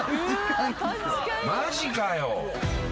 マジかよ。